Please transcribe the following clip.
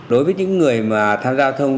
đối với những người mà tham gia giao thông